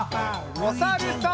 おさるさん。